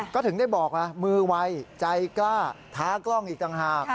ก็ถึงได้บอกมือไวใจกล้าท้ากล้องอีกต่างหาก